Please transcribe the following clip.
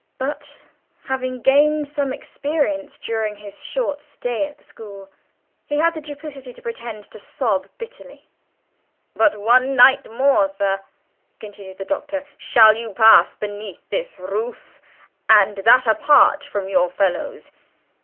But (having gained some experience during his short stay at the school) he had the duplicity to pretend to sob bitterly. "But one night more, sir," continued the Doctor, "shall you pass beneath this roof, and that apart from your fellows.